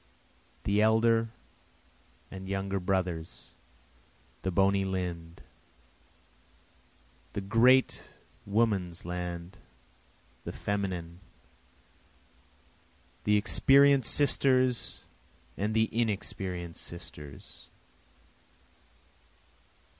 the elder and younger brothers! the bony limb'd! The great women's land! the feminine! the experienced sisters and the inexperienced sisters!